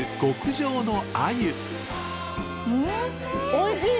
おいしい！